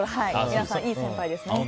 皆さん、いい先輩ですね。